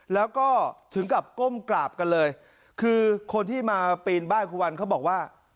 แล้วก็ถึงกับก้มกราบกันเลยคือคนที่มาปีนบ้านครูวันเขาบอกว่า